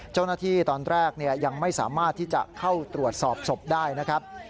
เจ้าหน้าที่ตอนแรกยังไม่สามารถที่จะเข้าตรวจสอบศพได้นะครับ